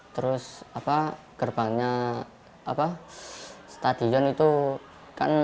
terus gerbangnya stadion itu kan